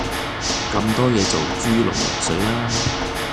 咁多嘢做豬籠入水啦